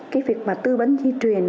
cái việc mà tư vấn di truyền